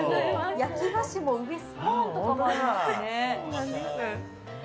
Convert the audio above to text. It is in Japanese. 焼き菓子もスコーンとかもありますね。